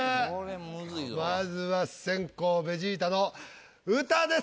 まずは先攻ベジータの歌です。